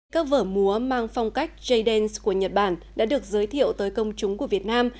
các vở múa mang phong cách jens của nhật bản đã được giới thiệu tới công chúng của việt nam